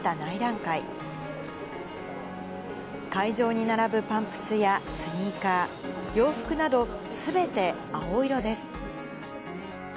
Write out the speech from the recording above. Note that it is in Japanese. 会場に並ぶパンプスやスニーカー、洋服など、すべて青色です。